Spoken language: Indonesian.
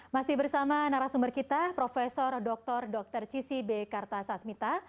masih bersama narasumber kita profesor doktor dr cissy b kartasasmita